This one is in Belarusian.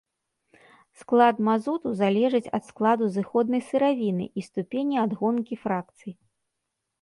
Склад мазуту залежыць ад складу зыходнай сыравіны і ступені адгонкі фракцый.